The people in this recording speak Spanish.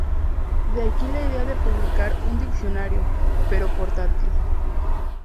De aquí la idea de publicar un diccionario, pero portátil.